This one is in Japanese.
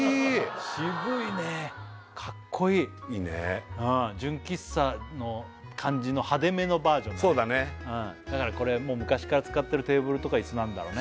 渋いねかっこいいいいね純喫茶の感じの派手めのバージョンだねだからこれもう昔から使ってるテーブルとか椅子なんだろうね